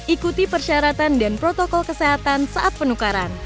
ikuti persyaratan dan protokol kesehatan saat penukaran